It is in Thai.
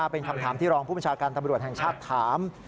เป็นคำถามที่รองผู้บัญชาการตำรวจแห่งชาติถาม